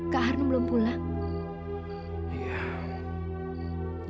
kak harno belum pulang